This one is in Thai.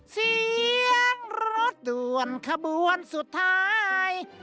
เสียงรถด่วนขบวนสุดท้าย